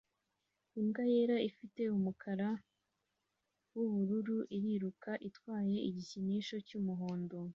Imbwa yera ifite umukara wubururu iriruka itwaye igikinisho cyumuhondo